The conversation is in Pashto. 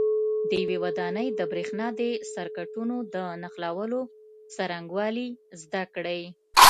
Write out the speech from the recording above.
د یوې ودانۍ د برېښنا د سرکټونو د نښلولو څرنګوالي زده کړئ.